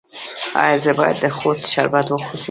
ایا زه باید د خوب شربت وڅښم؟